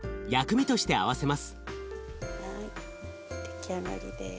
出来上がりです。